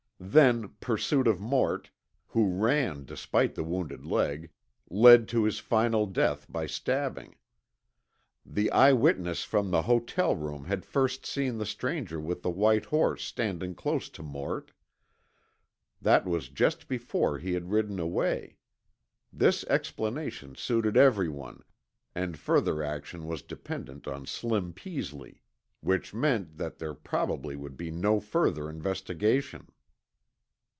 Then pursuit of Mort, who ran despite the wounded leg, led to his final death by stabbing. The eyewitnesses from the hotel room had first seen the stranger with the white horse standing close to Mort. That was just before he had ridden away. This explanation suited everyone, and further action was dependent on Slim Peasley. Which meant that there probably would be no further investigation.